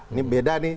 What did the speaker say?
ini beda nih